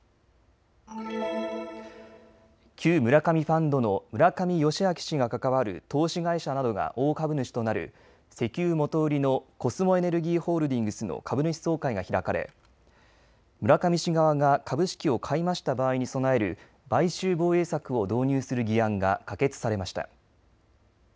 旧村上ファンドの村上世彰氏が関わる投資会社などが大株主となる石油元売りのコスモエネルギーホールディングスの株主総会が開かれ村上氏側が株式を買い増した場合に備える買収防衛策を導入する議案が可決されました。